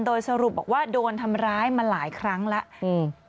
โดยสรุปบอกว่าโดนทำร้ายมาหลายครั้งแล้วอืม